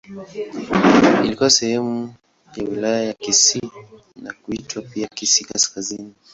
Ilikuwa sehemu ya Wilaya ya Kisii na kuitwa pia Kisii Kaskazini.